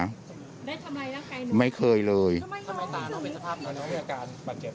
ไม่เคยเลยทำไมตาน้องเป็นสภาพเพราะน้องมีอาการปัญหาเก็บ